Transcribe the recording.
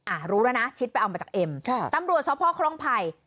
อ่ารู้แล้วนะชิดไปเอามาจากเอ็มค่ะตำรวจสภครองไผ่